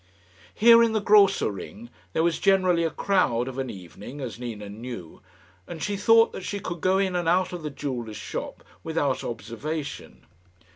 Here, in the Grosser Ring, there was generally a crowd of an evening, as Nina knew, and she thought that she could go in and out of the jeweller's shop without observation.